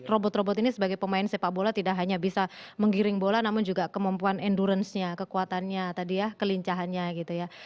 robot robot ini sebagai pemain sepak bola tidak hanya bisa menggiring bola namun juga kemampuan endurance nya kekuatannya tadi ya kelincahannya gitu ya